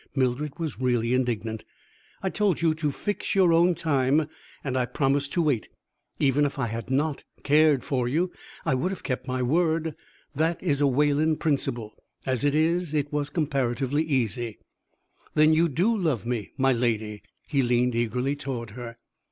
Mildred was really indignant. "I told you to fix your own time and I promised to wait. Even if I had not cared for you, I would have kept my word. That is a Wayland principle. As it is, it was comparatively easy." "Then you do love me, my Lady?" He leaned eagerly toward her.